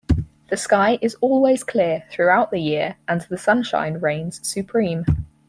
The sky is always clear throughout the year and the sunshine reigns supreme.